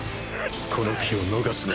この機を逃すな。